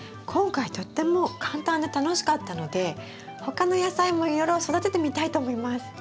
今回とっても簡単で楽しかったので他の野菜もいろいろ育ててみたいと思います。